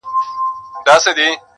ورته جوړ به د قامونو انجمن سي!